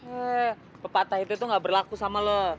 eh pepatah itu tuh gak berlaku sama lo